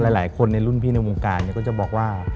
หลายคนในรุ่นพี่ในวงการก็จะบอกว่า